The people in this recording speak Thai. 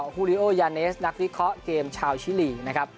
ฮูลิโอยาเนสนักวิเคราะห์เกมชาวชิลีนะครับ